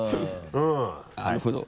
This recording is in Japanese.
なるほど